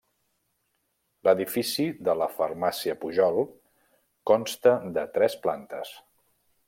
L'edifici de la Farmàcia Pujol consta de tres plantes.